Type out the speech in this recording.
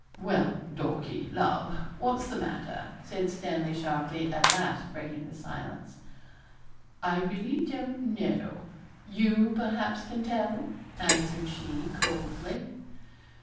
'Well, Dorkie, love, what's the matter?' said Stanley sharply, at last breaking the silence. 'I really don't know you, perhaps, can tell,' answered she coldly.